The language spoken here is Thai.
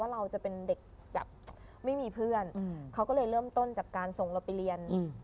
เราจะเป็นเด็กแบบไม่มีเพื่อนเขาก็เลยเริ่มต้นจากการส่งเราไปเรียน